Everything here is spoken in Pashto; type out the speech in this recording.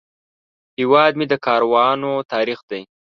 هیواد مې د کاروانو تاریخ دی